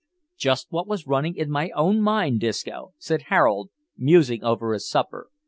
"Just what was running in my own mind, Disco," said Harold, musing over his supper.